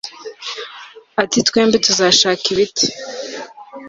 Ati Twembi tuzashaka ibiti